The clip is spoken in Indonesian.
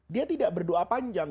dia tidak berdoa panjang